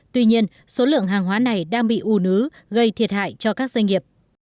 tuy nhiên số lượng hàng hóa này đang bị ủ nứ gây thiệt hại cho các doanh nghiệp